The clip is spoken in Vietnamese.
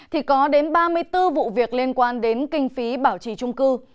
thì có đến ba mươi bốn vụ việc liên quan đến kinh phí bảo trì trung cư